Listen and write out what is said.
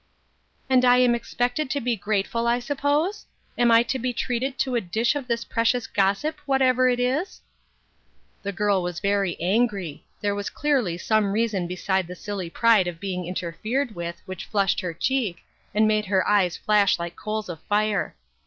" And I am expected to be grateful, I suppose ? Am I to be treated to a dish of this precious gossip, whatever it is ?" The girl was very angry ; there was clearly some reason beside the silly pride of being inter fered with, which flushed her cheek, and made her eyes flash like coals of fire.